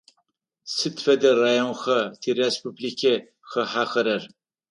Сыд фэдэ районха тиреспубликэ хахьэхэрэр?